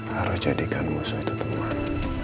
harus jadikan musuh itu teman